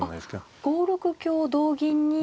あっ５六香同銀に。